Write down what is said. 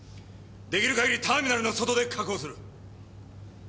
できる限りターミナルの外で確保する。